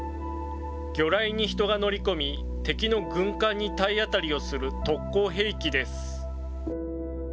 魚雷に人が乗り込み、敵の軍艦に体当たりをする特攻兵器です。